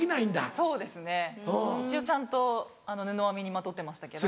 そうですね一応ちゃんと布は身にまとってましたけど。